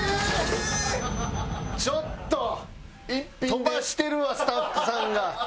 飛ばしてるわスタッフさんが。